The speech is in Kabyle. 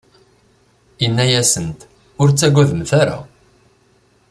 Inna-asent: Ur ttagademt ara.